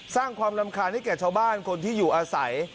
สร้างความรำคาญให้แก่ชาวบ้านคนที่อยู่อาศัย